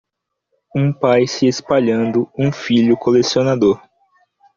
Um pai se espalhando, um filho colecionador.